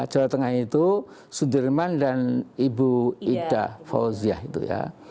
jawa tengah itu sudirman dan ibu ida fauziah itu ya